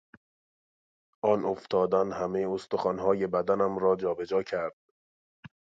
آن افتادن همهی استخوانهای بدنم را جابه جا کرد.